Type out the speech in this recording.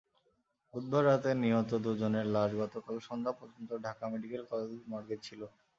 বুধবার রাতে নিহত দুজনের লাশ গতকাল সন্ধ্যা পর্যন্ত ঢাকা মেডিকেল কলেজ মর্গে ছিল।